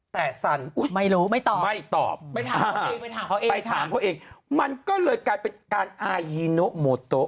แต่สันไม่รู้ไม่ตอบไปถามเขาเองค่ะมันก็เลยกลายเป็นการอายีโนโมโต